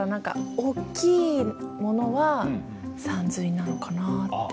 大きいものはさんずいなのかなぁって。